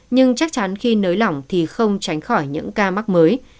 nhưng chắc chắn khi nới lỏng thì không tránh khỏi những ca mắc mới